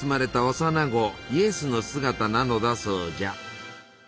幼な子イエスの姿なのだそうじゃ。